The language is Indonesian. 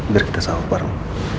biar kita sahur bareng